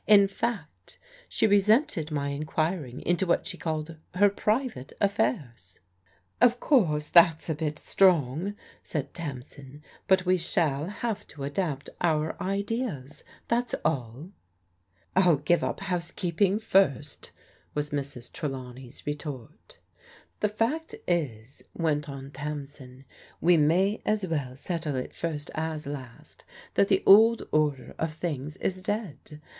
In fact she resented my enquiring into what she called ' her private affairs/ " "Of course that's a bit strong," said Tamsin, "but we shall have to adapt our ideas. That's all." "I'll give up housekeeping first," was Mrs. Trelaw ncy's retort. "The fact is," went on Tamsin, "we may as well settle it first as last, that the old order of things is dead.